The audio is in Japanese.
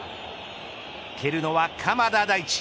蹴るのは鎌田大地。